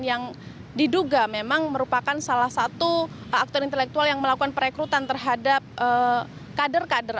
yang diduga memang merupakan salah satu aktor intelektual yang melakukan perekrutan terhadap kader kader